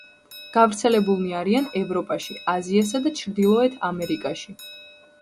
გავრცელებულნი არიან ევროპაში, აზიასა და ჩრდილოეთ ამერიკაში.